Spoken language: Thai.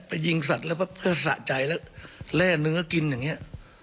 ไปยิงสัตว์แล้วแป๊บก็สะใจแล้วแร่นึงก็กินอย่างเงี้ย